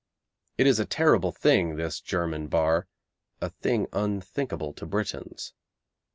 It is a terrible thing this German bar a thing unthinkable to Britons.